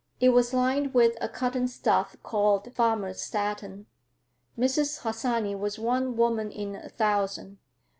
It was lined with a cotton stuff called "farmer's satin." Mrs. Harsanyi was one woman in a thousand.